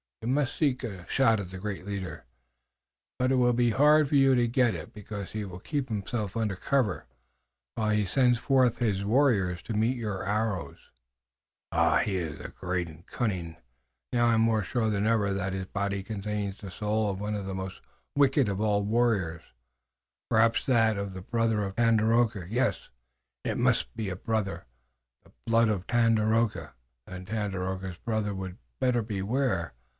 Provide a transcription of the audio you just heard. You must seek a shot at the giant leader, but it will be hard for you to get it because he will keep himself under cover, while he sends forth his warriors to meet your arrows. Ah, he is great and cunning! Now, I am more sure than ever that his body contains the soul of one of the most wicked of all warriors, perhaps that of a brother of Tandakora. Yes, it must be a brother, the blood of Tandakora." "Then Tandakora's brother would better beware.